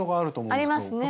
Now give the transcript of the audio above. ありますね。